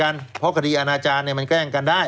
แล้วเขาก็ใช้วิธีการเหมือนกับในการ์ตูน